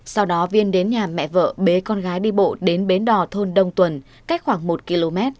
sau đó viên đến nhà mẹ vợ bế con gái đi bộ đến bến đò thôn đông tuần cách khoảng một km